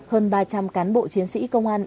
hơn ba trăm linh cán bộ chiến sĩ công an